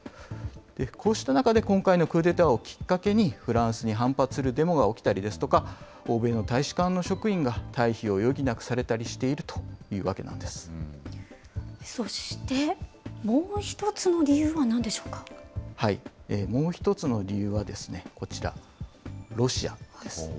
こうした中で今回のクーデターをきっかけに、フランスに反発するデモが起きたりですとか、欧米の大使館の職員が退避を余儀なくされたりしているというわけそして、もう１つの理由はなもう１つの理由はこちら、ロシアです。